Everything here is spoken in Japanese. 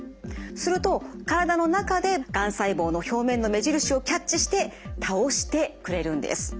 すると体の中でがん細胞の表面の目印をキャッチして倒してくれるんです。